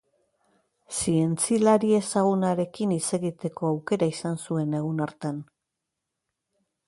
Zientzilari ezagunarekin hitz egiteko aukera izan zuen egun hartan.